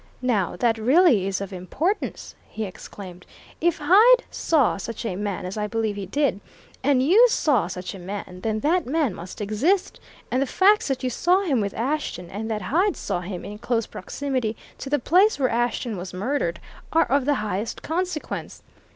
"Now, that really is of importance!" he exclaimed. "If Hyde saw such a man as I believe he did and you saw such a man, then that man must exist, and the facts that you saw him with Ashton, and that Hyde saw him in close proximity to the place where Ashton was murdered, are of the highest consequence.